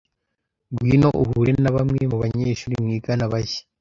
Ngwino uhure na bamwe mubanyeshuri mwigana bashya.